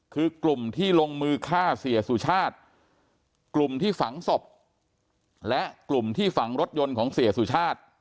คือกลุ่มที่ลงมือฆ่าเสียสุชาติกลุ่มที่ฝังศพและกลุ่มที่ฝังรถยนต์ของเสียสุชาติ